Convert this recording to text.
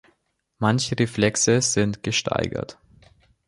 Manche Reflexe sind gesteigert.